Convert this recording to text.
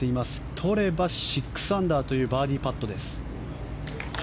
とれば６アンダーというバーディーパットでした。